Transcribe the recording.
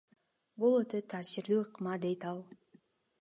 Бул өтө таасирдүү ыкма, – дейт ал.